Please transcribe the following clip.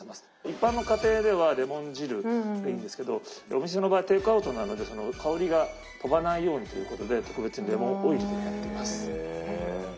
一般の家庭ではレモン汁でいいんですけどお店の場合テイクアウトなので香りが飛ばないようにということで特別にレモンオイルでやっています。